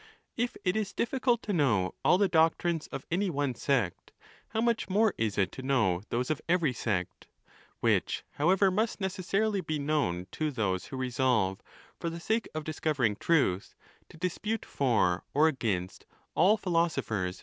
If it is diffi cult to know all the doctrines of any one sect, how much more is it to know those of every sect ! which, however, must necessarily be known to those who resolve, for the sake of discovering truth, to dispute for or against all phi losophers without partiality.